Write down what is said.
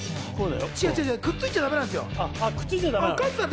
くっついちゃだめなんですよ。